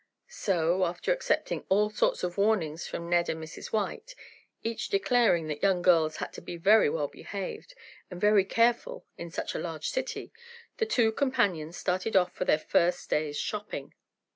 So, after accepting all sorts of warnings from Ned and Mrs. White, each declaring that young girls had to be very well behaved, and very careful in such a large city, the two companions started off for their first day's shopping.